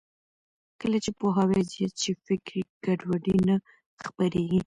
کله چې پوهاوی زیات شي، فکري ګډوډي نه خپرېږي.